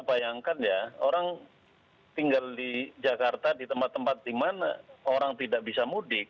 bayangkan ya orang tinggal di jakarta di tempat tempat di mana orang tidak bisa mudik